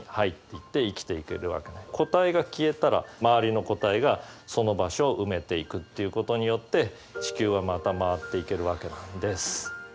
個体が消えたら周りの個体がその場所を埋めていくっていうことによって地球はまた回っていけるわけなんです。